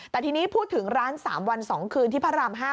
แต่ทีนี้พูดถึงร้าน๓วัน๒คืนที่พระราม๕